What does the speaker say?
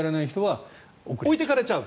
置いていかれちゃう。